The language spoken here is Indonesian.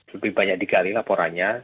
lebih banyak digali laporannya